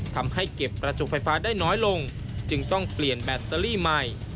ทำให้เก็บประจุไฟฟ้าได้น้อยลงจึงต้องเปลี่ยนแบตเตอรี่ใหม่